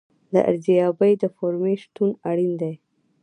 د ارزیابۍ د فورمې شتون اړین دی.